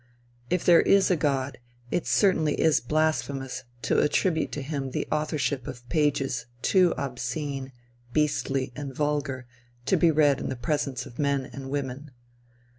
If there is a God, it certainly is blasphemous to attribute to him the authorship of pages too obscene, beastly and vulgar to be read in the presence of men and women.